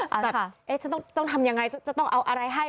เออแน่ค่ะเอ๊ะทำเงี้ยงง่ายจะต้องเอาอะไรให้